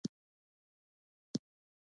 ګورنرجنرال دې اطلاعاتو ته اهمیت ورنه کړ.